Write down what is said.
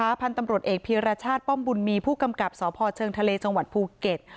พันธุ์ตำรวจเอกพีรชาติป้อมบุญมีผู้กำกับสพเชิงทะเลจังหวัดภูเก็ต